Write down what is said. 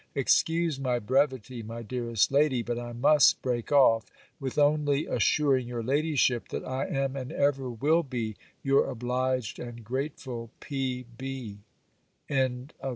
Excuse my brevity, my dearest lady But I must break off, with only assuring your ladyship, that I am, and ever will be, your obliged and grateful, P.B.